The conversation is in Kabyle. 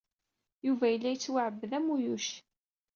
Yuba yella yettwaɛbed am uyuc.